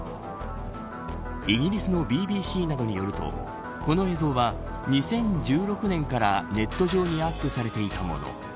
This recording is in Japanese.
イギリスのＢＢＣなどによるとこの映像は２０１６年からネット上にアップされていたもの。